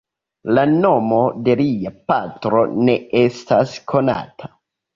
La nomo de lia patro ne estas konata.